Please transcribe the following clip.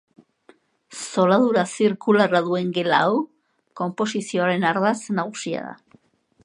Zoladura zirkularra duen gela hau, konposizioaren ardatz nagusia da.